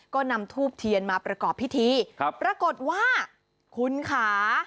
ก็นำทูปเทียนมาประกอบพิธีปรากฏว่าคุณขา